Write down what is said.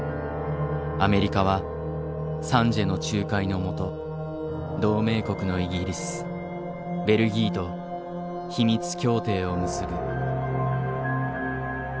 アメリカはサンジエの仲介の下同盟国のイギリスベルギーと秘密協定を結ぶ。